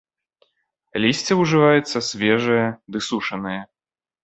Лісце ўжываецца свежае ды сушанае.